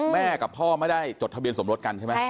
แม่กับพ่อไม่ได้จดทะเบียนสมรสกันใช่ไหม